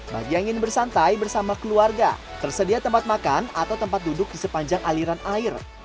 bagi yang ingin bersantai bersama keluarga tersedia tempat makan atau tempat duduk di sepanjang aliran air